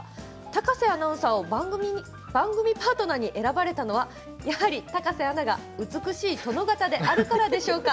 高瀬アナウンサーを番組パートナーに選ばれたのはやはり高瀬アナが美しい殿方であるからでしょうか。